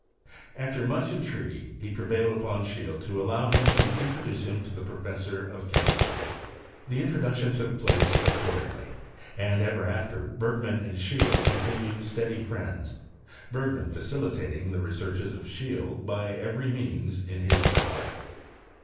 After much entreaty, he prevailed upon Seheele to allow him to introduce him to the professor of chemistry. The introduction took place accord in^y, and ever after Bergman and Seheele con tinued steady friends — Bergman facilitating the re searches of Seheele by every means in his power.